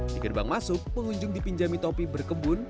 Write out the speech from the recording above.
dikirbang masuk pengunjung dipinjami topi berkebun